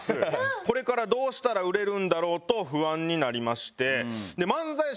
これからどうしたら売れるんだろうと不安になりまして。